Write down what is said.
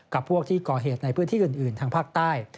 กับพวกที่ก่อเหตุในพื้นที่อื่นทางภาคใต้